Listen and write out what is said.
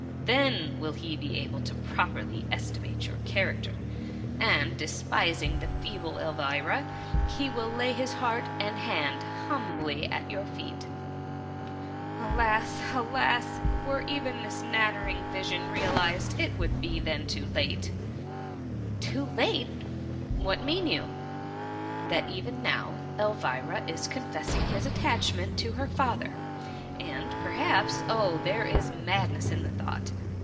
Then will he be able to properly esti mate your character, and despising the feeble Elvira, he will lay his heart and hand humbly at your feet.'' *' Alas ! alas ! were even this flattering vision realised, it would be then too late." TH£ MUMMY. 05 lu Too late ! what mean you ?'* u ^^ That even now Elvira is confessing his le attachment to her father, and, perhaps— oh, {i there is madness in the thought